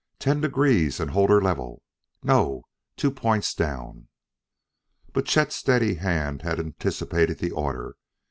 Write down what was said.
"Ten degrees, and hold her level. No two points down." But Chet's steady hand had anticipated the order.